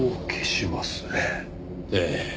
ええ。